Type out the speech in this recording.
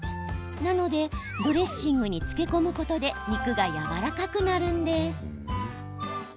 なので、ドレッシングに漬け込むことで肉がやわらかくなるんです。